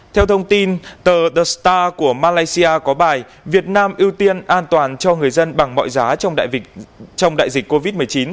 theo thông tin tờ the star của malaysia có bài việt nam ưu tiên an toàn cho người dân bằng mọi giá trong đại dịch covid một mươi chín